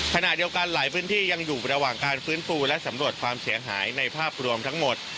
ขณะเดียวกันหลายพื้นที่ยังอยู่ระหว่างการฟื้นฟูและสำรวจความเสียหายในภาพรวมทั้งหมด